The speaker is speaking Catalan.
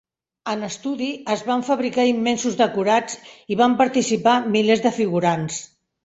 En estudi, es van fabricar immensos decorats i van participar milers de figurants.